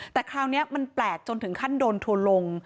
แต่คราวนี้มันแปลกจนถึงขั้นโดนทัวร์ลง